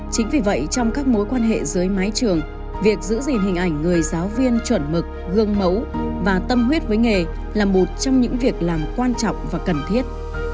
chính vì vậy trong các mối quan hệ dưới mái trường việc giữ gìn hình ảnh người giáo viên chuẩn mực gương mẫu và tâm huyết với nghề là một trong những việc làm quan trọng và cần thiết